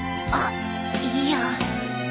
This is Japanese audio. あっいや。